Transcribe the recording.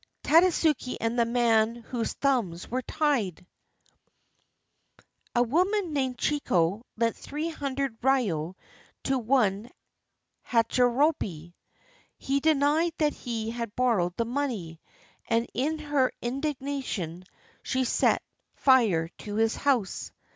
TADASUKE AND THE MAN WHOSE THUMBS WERE TIED [A woman named Chiko lent three hundred ryo to one Hachirobei. He denied that he had borrowed the money, and in her indignation she set fire to his house.